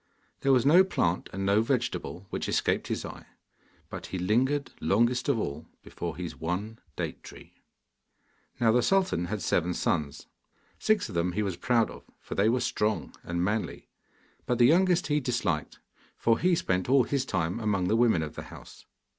There was no plant and no vegetable which escaped his eye, but he lingered longest of all before his one date tree. Now the sultan had seven sons. Six of them he was proud of, for they were strong and manly, but the youngest he disliked, for he spent all his time among the women of the house.